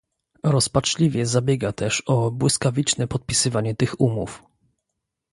Rozpaczliwie zabiega też o błyskawiczne podpisywanie tych umów